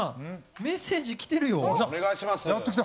メッセージ来てるよ。来た。